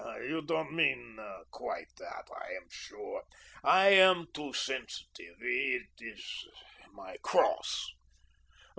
You don't mean quite that, I am sure. I am too sensitive. It is my cross.